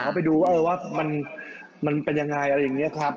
เขาไปดูว่ามันเป็นยังไงอะไรอย่างนี้ครับ